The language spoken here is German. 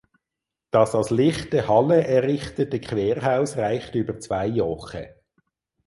Das als lichte Halle errichtete Querhaus reicht über zwei Joche.